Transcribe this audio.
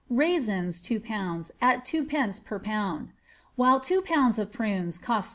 raisins. t«ro pounds, at 2d, per pound ; while two pounds of prunes cost 3(2.